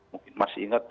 mungkin masih ingat